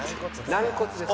軟骨です。